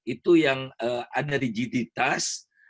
itu yang ada rigiditas